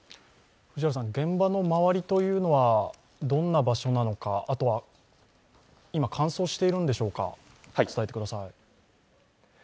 現場の周りというのはどんな場所なのかあとは、今、乾燥しているのでしょうか？